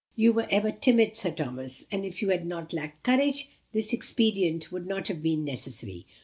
"You were ever timid, Sir Thomas; and if you had not lacked courage, this expedient would not have been necessary.